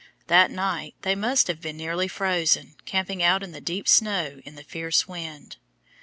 That night they must have been nearly frozen, camping out in the deep snow in the fierce wind.